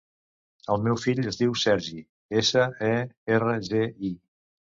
El meu fill es diu Sergi: essa, e, erra, ge, i.